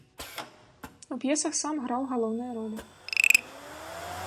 У п'есах сам граў галоўныя ролі.